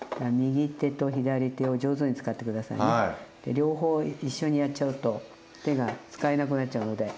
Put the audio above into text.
両方一緒にやっちゃうと手が使えなくなっちゃうので。